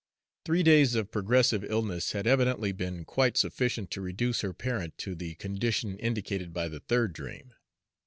Three days of progressive illness had evidently been quite sufficient to reduce her parent to the condition indicated by the third dream.